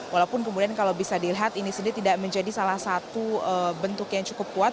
walaupun kemudian kalau bisa dilihat ini sendiri tidak menjadi salah satu bentuk yang cukup kuat